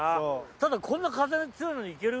ただこんな風強いのに行ける？